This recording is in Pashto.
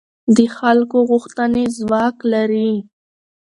د خلکو غوښتنې ځواک لري